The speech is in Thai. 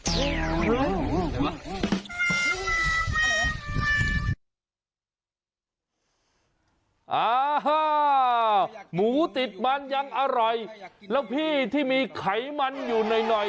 อ่าฮ่าหมูติดบัญญังอร่อยแล้วพี่ที่มีไขมันอยู่หน่อยหน่อย